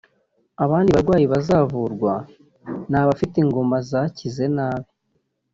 Abandi barwayi bazavurwa ni abafite inguma zakize nabi